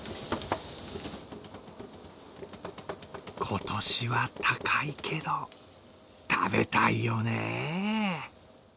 今年は高いけど、食べたいよね。